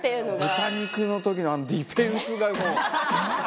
豚肉の時のあのディフェンスが、もう。